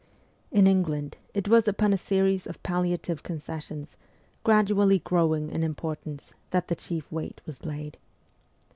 In England, it was upon a series of palliative concessions, gradually growing in importance, that the chief weight was laid.